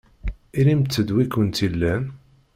Inimt-d wi kent-ilan!